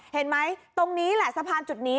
เห็นไหมตรงนี้แหละสะพานจุดนี้